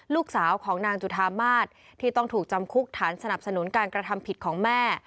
ลูกสาวของนางจุธามาศที่ต้องถูกจำคุกฐานสนับสนุนการกระทำผิดของแม่